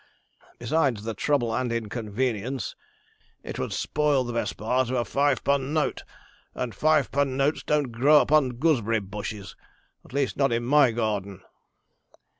Besides the trouble and inconvenience, it would spoil the best part of a five pund note; and five pund notes don't grow upon gooseberry bushes at least, not in my garden.'